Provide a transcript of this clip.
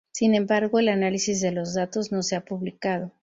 Sin embargo, el análisis de los datos no se ha publicado.